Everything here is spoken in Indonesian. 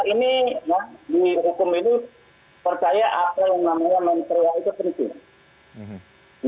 ini di hukum ini percaya apa yang namanya menceria itu penting